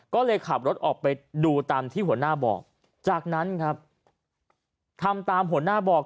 ก็เลยขับรถออกไปดูตามที่หัวหน้าบอกจากนั้นครับทำตามหัวหน้าบอก